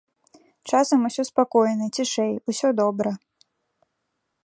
Часам усё спакойна, цішэй, усё добра.